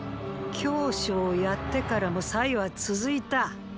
羌象を殺ってからも祭は続いた。